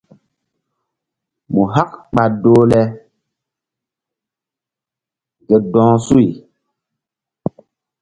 Mu hak ɓa doh le ke dɔh suy.